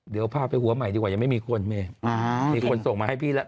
เดี๋ยวพาไปหัวใหม่ดีกว่ายังไม่มีคนส่งมาให้พี่แล้ว